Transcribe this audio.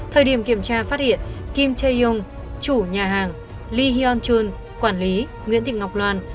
thời điểm kiểm tra phát hiện kim tae yong chủ nhà hàng lee hyun chun quản lý nguyễn thị ngọc loan